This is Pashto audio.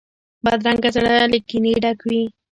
بدرنګه زړه له کینې ډک وي